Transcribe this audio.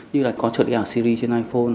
như là có trợ lý ảo siri trên iphone